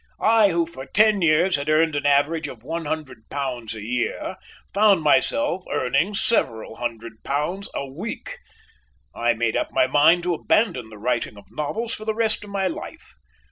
I, who for ten years had earned an average of one hundred pounds a year, found myself earning several hundred pounds a week. I made up my mind to abandon the writing of novels for the rest of my life.